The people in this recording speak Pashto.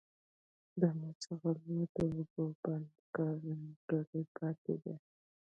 د مچلغو د اوبو بند کارونه نيمګړي پاتې دي